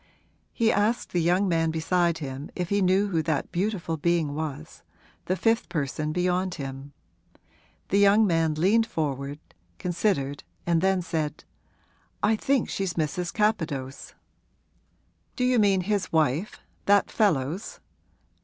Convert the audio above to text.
He asked the young man beside him if he knew who that beautiful being was the fifth person beyond him. The young man leaned forward, considered and then said, 'I think she's Mrs. Capadose.' 'Do you mean his wife that fellow's?'